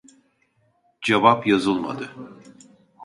Cevap yazılmadı